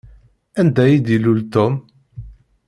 Anda ay d-ilul Tom?